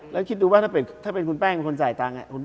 แล้วคิดดูว่าถ้าเป็นคุณแป้งเป็นคนจ่ายตังค์